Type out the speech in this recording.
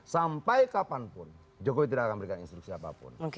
sampai kapanpun jokowi tidak akan memberikan instruksi apapun